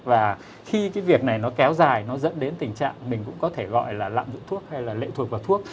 và khi cái việc này nó kéo dài nó dẫn đến tình trạng mình cũng có thể gọi là lạm dụng thuốc hay là lệ thuộc vào thuốc